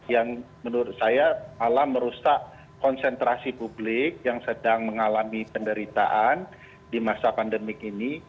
yang menurut saya malah merusak konsentrasi publik yang sedang mengalami penderitaan di masa pandemik ini